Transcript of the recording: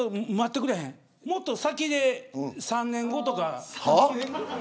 もっと先で、３年後とか。